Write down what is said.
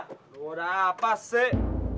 aduh apa sih